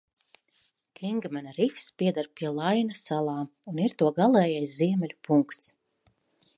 Kingmena rifs pieder pie Laina salām un ir to galējais ziemeļu punkts.